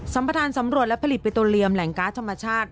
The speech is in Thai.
ประธานสำรวจและผลิตปิโตเรียมแหล่งการ์ดธรรมชาติ